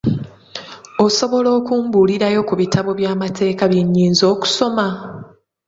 Osobola okumbuulirayo ku bitabo by'amateeka bye nnyinza okusoma?